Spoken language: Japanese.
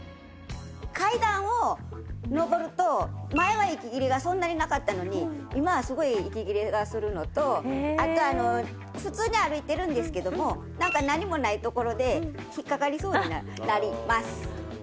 階段を上ると前は息切れがそんなになかったのに今はすごい息切れがするのとあと普通に歩いてるんですけども何もない所でひっかかりそうになります。